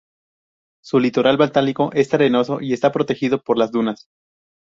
Su litoral báltico es arenoso y está protegido por las dunas.